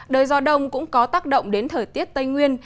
đời gió đông cũng có tác động đến thời tiết tây nguyên